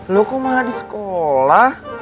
lo kok malah di sekolah